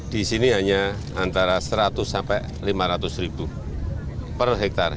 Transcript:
di sini hanya antara seratus hingga lima ratus per hektar